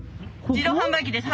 自動販売機です。